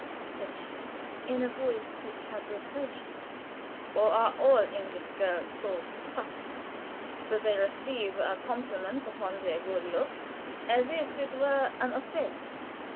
said she, in a voice which had reproach in it, "or are all English girls so touchy that they receive a compliment upon their good looks as if it were an offense?"